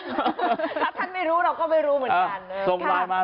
ถ้าท่านไม่รู้เราก็ไม่รู้เหมือนกัน